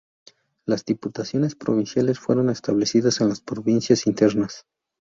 Las diputaciones provinciales fueron establecidas en las Provincias Internas.